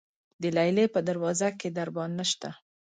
د لیلې په دروازه کې دربان نشته.